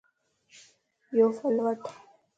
يو ڦل وڻھه